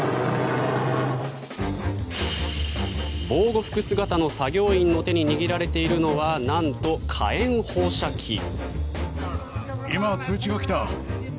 防護服姿の作業員の手に握られているのはなんと火炎放射器。